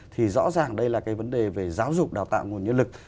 thì rõ ràng đây là cái vấn đề về giáo dục đào tạo nguồn nhân lực